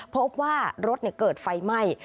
พบว่ารถเกิดไฟไหม้